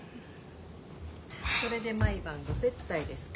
それで毎晩ご接待ですか。